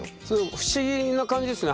不思議な感じですね。